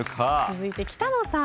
続いて北野さん。